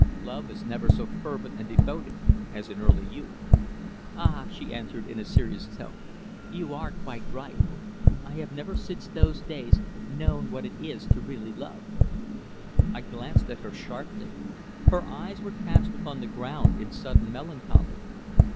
Love is never so fervent and devoted as in early youth." "Ah!" she answered in a serious tone. "You are quite right. I have never since those days known what it is to really love." I glanced at her sharply. Her eyes were cast upon the ground in sudden melancholy.